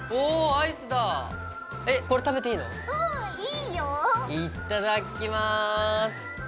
いっただきます。